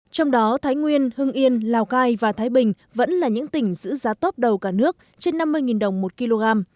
trong đó thái nguyên hưng yên lào cai và thái bình vẫn là những tỉnh giữ giá top đầu cả nước trên năm mươi đồng một kg